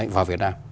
vào việt nam